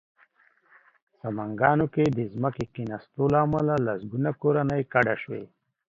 سمنګانو کې د ځمکې کېناستو له امله لسګونه کورنۍ کډه شوې